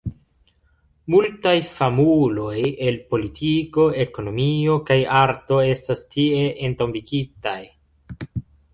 Multaj famuloj el politiko, ekonomio kaj arto estas tie entombigitaj.